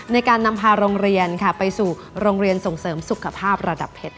ในการนำพาโรงเรียนไปสู่โรงเรียนส่งเสริมสุขภาพระดับเพชร